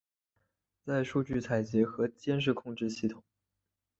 在数据采集与监视控制系统。